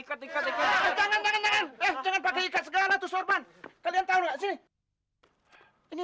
ikat ikat jangan jangan jangan jangan pakai ikat segala tuh sorban kalian tahu gak sih ini